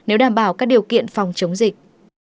nếu đảm bảo các điều kiện phòng chống dịch